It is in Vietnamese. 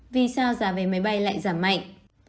vì sao giá vé máy bay lại giảm mạnh